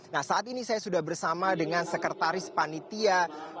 nah saat ini saya sudah bersama dengan sekretaris panitia